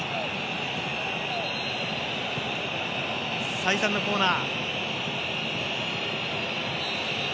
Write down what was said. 再三のコーナー。